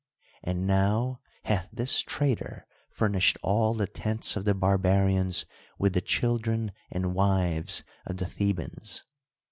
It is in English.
And now hath this traitor furnished all the tents of the Barbarians with the children and wives of the Thebans.